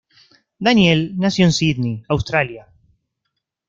Daniel nació en Sídney, Australia.